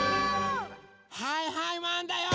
はいはいマンだよ！